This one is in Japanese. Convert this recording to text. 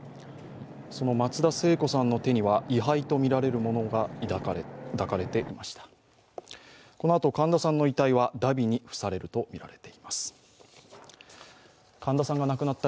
その松田聖子さんの手には位牌とみられるものが抱かれていました。